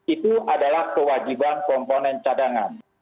itu adalah kewajiban komponen cadangan